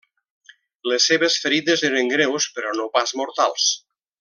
Les seves ferides eren greus, però no pas mortals.